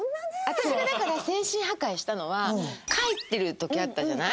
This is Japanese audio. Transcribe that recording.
私がだから精神破壊したのは帰ってる時あったじゃない？